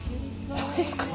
そうですか？